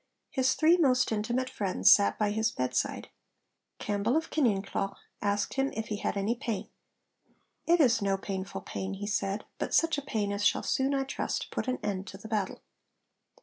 His three most intimate friends sat by his bedside. Campbell of Kinyeancleugh asked him if he had any pain. 'It is no painful pain,' he said; 'but such a pain as shall soon, I trust, put an end to the battle.'